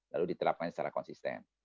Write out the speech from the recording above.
lalu diterapkan secara konsisten